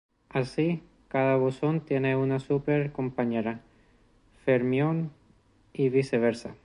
Así, cada bosón tiene una super compañera fermión y viceversa.